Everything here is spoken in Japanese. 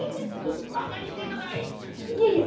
バカにしてんのかい⁉いえいえ